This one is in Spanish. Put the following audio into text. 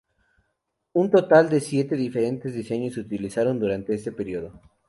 Un total de siete diferentes diseños se utilizaron durante este periodo.